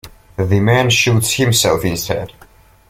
The man shoots himself instead.